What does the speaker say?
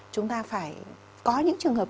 chúng ta phải có những trường hợp